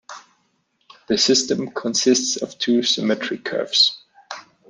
The system consists of two symmetric curves.